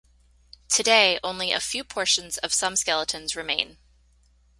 Today, only a few portions of some skeletons remain.